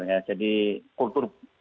ya jadi kultur